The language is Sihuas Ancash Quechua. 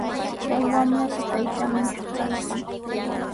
Chay wamrata taytanmi shuqaykan.